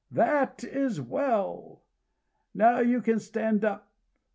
"That is well ... Now you can stand up."